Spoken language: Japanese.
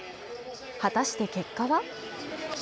果たして結果は？